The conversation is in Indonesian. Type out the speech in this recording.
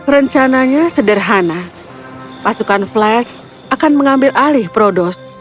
rencananya sederhana pasukan flash akan mengambil alih prodos